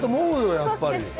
やっぱり。